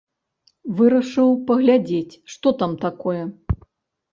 Вырашыў паглядзець, што там такое.